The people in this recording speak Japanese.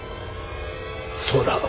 そうだ。